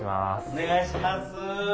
お願いします。